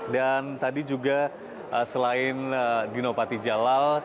dan tadi juga selain dino patijalal